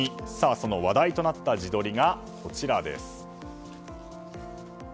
その話題となった自撮りがこちらです。